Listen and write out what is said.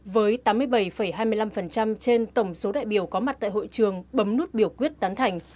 với tám mươi bảy hai mươi năm trên tổng số đại biểu có mặt tại hội trường bấm nút biểu quyết tán thành